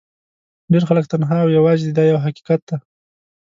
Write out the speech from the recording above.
ډېر خلک تنها او یوازې دي دا یو حقیقت دی.